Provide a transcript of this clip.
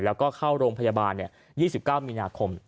แล้วก็เข้าโรงพยาบาล๒๙มีนาคม